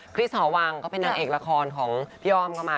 คริสห่อวังก็เป็นนางเอกละครของพี่ออมก็มา